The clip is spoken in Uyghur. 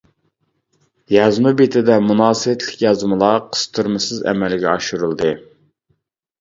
يازما بېتىدە مۇناسىۋەتلىك يازمىلار قىستۇرمىسىز ئەمەلگە ئاشۇرۇلدى.